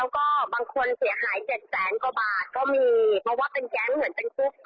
แห่งขาย๗๐๐๐๐๐กว่าบาทก็มีเพราะว่าเป็นแก๊งเหมือนผู้คุมพุ่ง